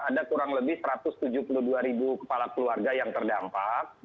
ada kurang lebih satu ratus tujuh puluh dua ribu kepala keluarga yang terdampak